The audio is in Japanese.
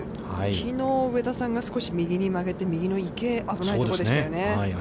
きのう、上田さんが少し右に曲げて、右の池、危ないところでしたよね。